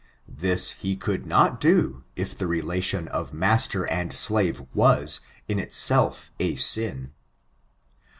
This he could not do if the relation of matter and slave was, in itself a sin.